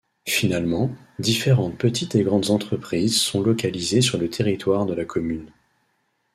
Finalement, différentes petites et grandes entreprises sont localisées sur le territoire de la commune.